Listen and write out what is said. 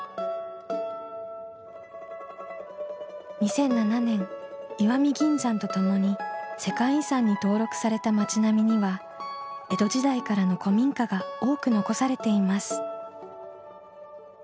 ２００７年石見銀山と共に世界遺産に登録された町並みには江戸時代からの古民家が多く残されています。